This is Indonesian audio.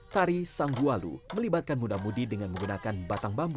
tari sanggualu melibatkan muda mudi dengan menggunakan batang bambu